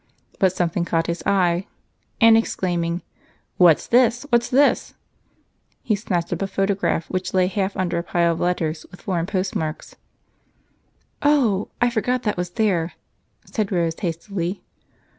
But something caught his eye, and exclaiming, "What's this? What's this?" he snatched up a photograph which lay half under a pile of letters with foreign postmarks. "Oh! I forgot that was there," said Rose hastily.